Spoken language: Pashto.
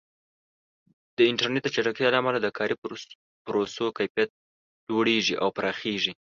د انټرنیټ د چټکتیا له امله د کاري پروسو کیفیت لوړېږي او پراخېږي.